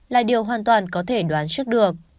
là điều hoàn toàn có thể đoán trước được